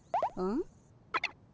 ん？